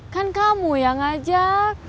kan kamu yang ajak